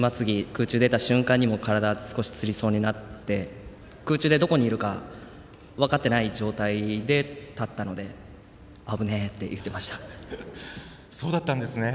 空中に出た瞬間に体が少しつりそうになって空中でどこにいるか分かってない状態で立ったのでそうだったんですね。